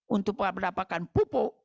untuk mendapatkan pupo